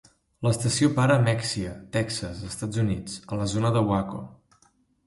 L'estació para a Mexia, Texas, Estats Units, a la zona de Waco.